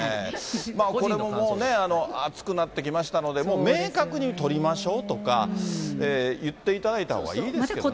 これももうね、暑くなってきましたので、もう明確にとりましょうとか、言っていただいたほうがいいですけどね。